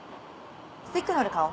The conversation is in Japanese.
スティックのり買おう。